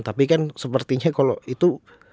tapi kan sepertinya kalau itu